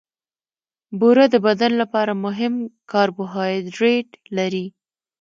بوره د بدن لپاره مهم کاربوهایډریټ لري.